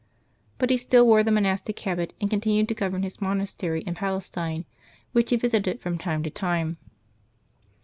But he still wore the mo nastic habit, and continued to govern his monastery in Palestine, which he visited from time to time.